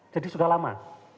jadi sudah lama